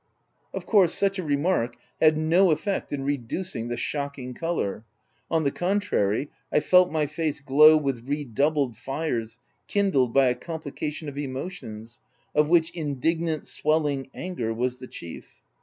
Of course, such a remark had no effect in reducing the u shocking colour ;" on the con trary, I felt my face glow with redoubled fires kindled by a complication of emotions, of which indignant, swelling anger was the chief.